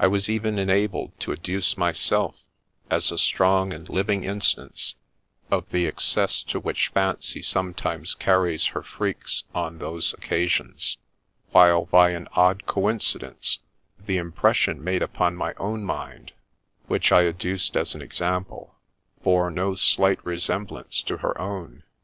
I was even enabled to adduce myself as a strong and living instance of the excess to 124 SINGULAR PASSAGE IN THE LIFE OF which fancy sometimes carries her freaks on those occasions ; while, by an odd coincidence, the impression made upon my own mind, which I adduced as an example, bore no slight resem blance to her own.